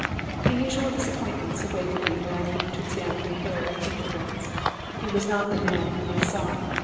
"The usual disappointment awaited me when I came to examine the hair and finger prints. He was not the man whom I sought.